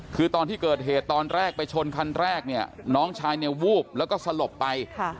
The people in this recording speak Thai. คือตอนที่เกิดเหตุตอนแรกไปชนคันแรกเนี่ยน้องชายเนี่ยวูบแล้วก็สลบไป